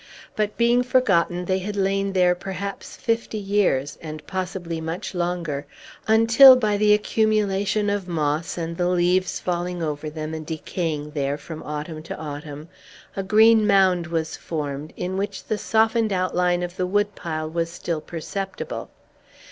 But, being forgotten, they had lain there perhaps fifty years, and possibly much longer; until, by the accumulation of moss, and the leaves falling over them, and decaying there, from autumn to autumn, a green mound was formed, in which the softened outline of the woodpile was still perceptible.